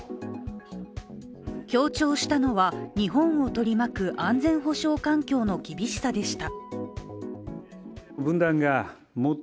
強調したのは、日本を取り巻く安全保障環境の厳しさでした。